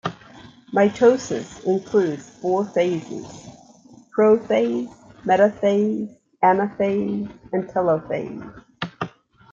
Mitosis includes four phases, prophase, metaphase, anaphase, and telophase.